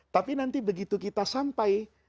tapi nanti begitu kita sampai